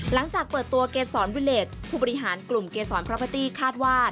หลังจากเปิดตัวเกษรวิเลสผู้บริหารกลุ่มเกษรพระพาตี้คาดว่า